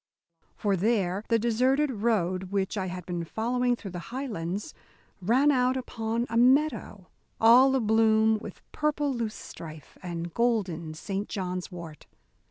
For there the deserted road which I had been following through the Highlands ran out upon a meadow all abloom with purple loose strife and golden Saint John's wort.